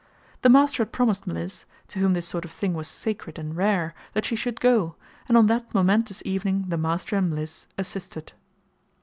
The master had promised Mliss, to whom this sort of thing was sacred and rare, that she should go, and on that momentous evening the master and Mliss "assisted."